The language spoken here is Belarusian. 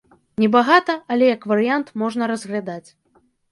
Небагата, але як варыянт можна разглядаць.